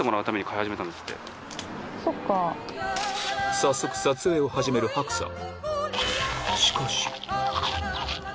早速撮影を始める吐くさん